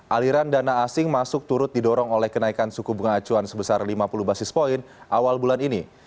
aliran dana asing masuk turut didorong oleh kenaikan suku bunga acuan sebesar lima puluh basis point awal bulan ini